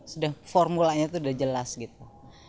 sudah formulanya itu sudah jelas gitu